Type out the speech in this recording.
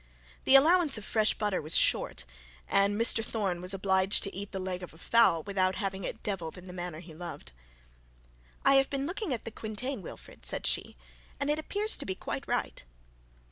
The allowances of fresh butter was short, and Mr Thorne was obliged to eat the leg of a fowl without having it devilled in the manner he loved. 'I have been looking at the quintain, Wilfred,' said she, 'and it appears to be quite right.'